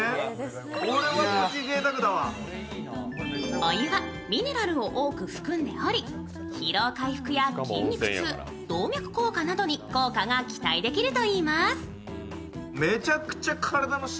お湯はミネラルを多く含んでおり疲労回復や筋肉痛、動脈硬化などに効果が期待できるといいます。